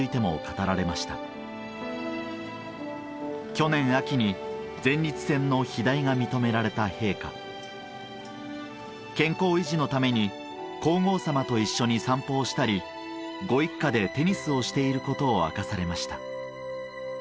去年秋に前立腺の肥大が認められた陛下健康維持のために皇后さまと一緒に散歩をしたりご一家でテニスをしていることを明かされました